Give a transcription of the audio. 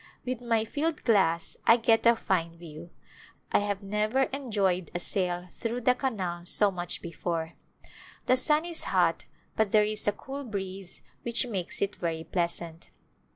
With my field glass I get a fine view. I have never enjoyed a sail through the canal so much before. The sun is hot but there is a cool breeze which makes it very pleasant.